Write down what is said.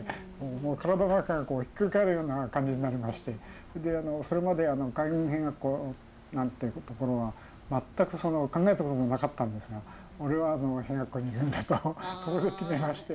もう体の中がひっくり返るような感じになりましてそれまで海軍兵学校なんて所は全く考えたこともなかったんですがおれは兵学校に行くんだとそこで決めまして。